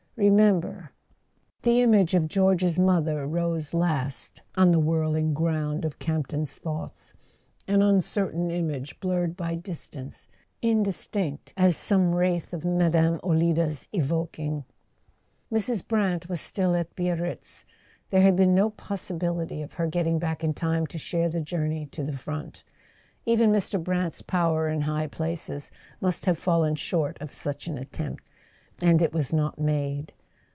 Remember!" The image of George's mother rose last on the whirl¬ ing ground of Camp ton's thoughts: an uncertain image, blurred by distance, indistinct as some wraith of Mme. Olida's evoking. Mrs. Brant was still at Biarritz; there had been no possibility of her getting back in time to share the journey to the front. Even Mr. Brant's power in high places must have fallen short of such an attempt; and it was not made.